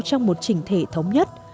trong một trình thể thống nhất